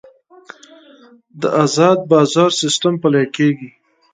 د ازاد بازار سیستم پلی کیږي